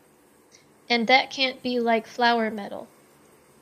And that can´t be like flower metal".